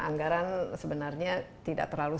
anggaran sebenarnya tidak terlalu